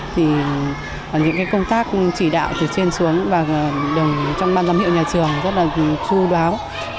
thì những công tác chỉ đạo từ trên xuống và đồng trong ban giám hiệu nhà trường rất là chú đáo